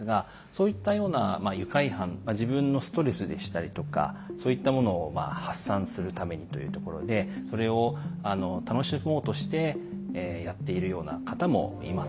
そういったようなまあ愉快犯自分のストレスでしたりとかそういったものをまあ発散するためにというところでそれをあの楽しもうとしてやっているような方もいます。